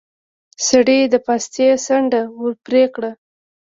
سړي د پاستي څنډه ور پرې کړه.